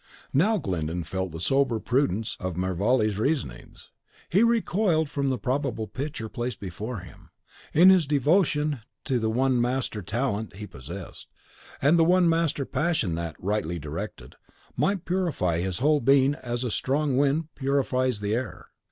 Now Glyndon felt the sober prudence of Mervale's reasonings; he recoiled from the probable picture placed before him, in his devotion to the one master talent he possessed, and the one master passion that, rightly directed, might purify his whole being as a strong wind purifies the air.